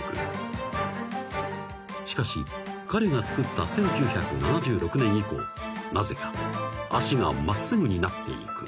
［しかし彼が作った１９７６年以降なぜか足が真っすぐになってゆく］